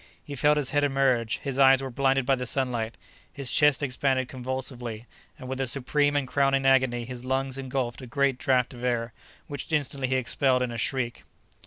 He felt his head emerge; his eyes were blinded by the sunlight; his chest expanded convulsively, and with a supreme and crowning agony his lungs engulfed a great draught of air, which instantly he expelled in a shriek!